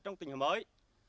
trong tình hình mới